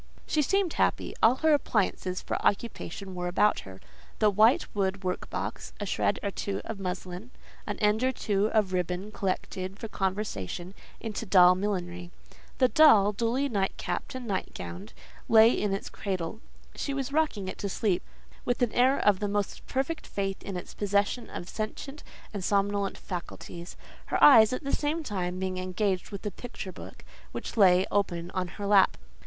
She seemed happy; all her appliances for occupation were about her; the white wood workbox, a shred or two of muslin, an end or two of ribbon collected for conversion into doll millinery. The doll, duly night capped and night gowned, lay in its cradle; she was rocking it to sleep, with an air of the most perfect faith in its possession of sentient and somnolent faculties; her eyes, at the same time, being engaged with a picture book, which lay open on her lap.